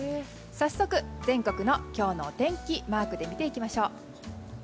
早速、全国の今日のお天気マークで見ていきましょう。